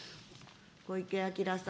小池晃さん。